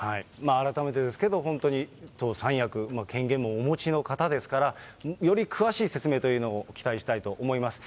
改めてですけど、本当に党三役、権限もお持ちの方ですから、より詳しい説明というのを期待したいと思います。